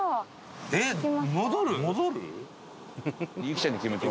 えっ戻る？